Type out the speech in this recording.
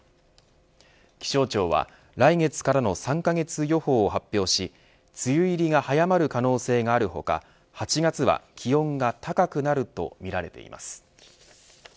気象庁は、来月からの３カ月予報を発表し梅雨入りが早まる可能性がある他８月は気温が高くなるとみられています。